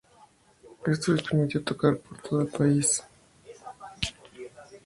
Esto les permitió tocar por todo el país.